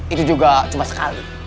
itu juga cuma sekali